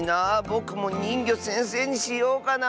ぼくもにんぎょせんせいにしようかな。